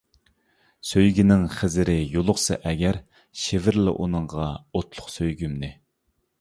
سۆيگۈنىڭ خىزىرى يولۇقسا ئەگەر، شىۋىرلا ئۇنىڭغا ئوتلۇق سۆيگۈمنى.